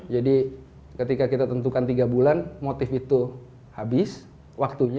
jadi ketika kita tentukan tiga bulan motif itu habis waktunya